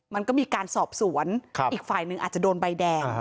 มันก็มีการสอบสวนอีกฝ่ายหนึ่งอาจจะโดนใบแดง